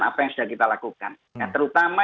apa yang sudah kita lakukan nah terutama